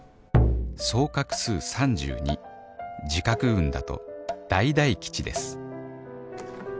総画数３２字画運だと「大大吉」です